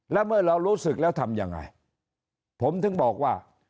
แล้วเมื่อเรารู้สึกแล้วทำยังไงผมถึงบอกว่า